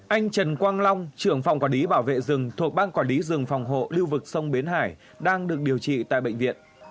anh trần quang long trưởng phòng quản lý bảo vệ rừng thuộc ban quản lý rừng phòng hộ lưu vực sông bến hải đang được điều trị tại bệnh viện